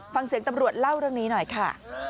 ฟังเสียงตำรวจเล่าเรื่องนี้หน่อยค่ะ